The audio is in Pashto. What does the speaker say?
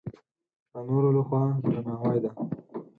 د نورو له خوا درناوی ده.